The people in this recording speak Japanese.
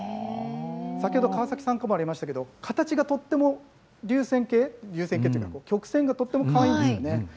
先ほど、川崎さんのことばにもありましたけれども、形がとっても、流線形、流線形というか、曲線がとてもかわいいんですよね。